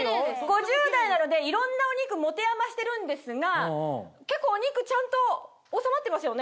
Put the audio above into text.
５０代なのでいろんなお肉持て余してるんですが結構お肉ちゃんと収まってますよね？